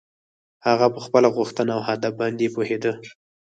هغه په خپله غوښتنه او هدف باندې پوهېده.